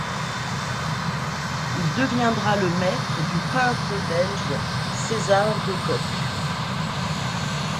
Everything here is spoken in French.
Il deviendra le maître du peintre belge César de Cock.